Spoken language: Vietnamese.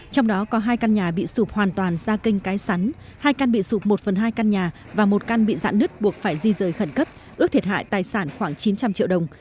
trong đó có hai căn nhà bị sụp hoàn toàn ra kênh cái sắn hai căn bị sụp một phần hai căn nhà và một căn bị giãn nứt buộc phải di rời khẩn cấp ước thiệt hại tài sản khoảng chín trăm linh triệu đồng